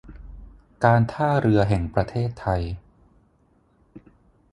การท่าเรือแห่งประเทศไทย